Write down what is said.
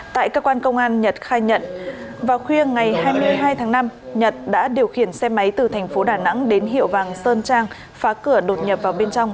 tại cơ quan công an nhật khai nhận vào khuya ngày hai mươi hai tháng năm nhật đã điều khiển xe máy từ thành phố đà nẵng đến hiệu vàng sơn trang phá cửa đột nhập vào bên trong